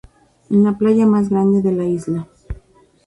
Es la playa más grande de la isla.